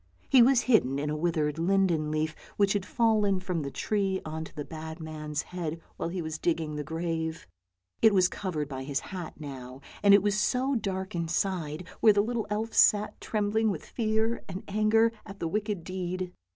He was hidden in a withered linden leaf which had fallen from the tree on to the bad man's head while he was digging the grave. It was covered by his hat now, and it was so dark inside, where the little elf sat trembling with fear and anger at the wicked deed.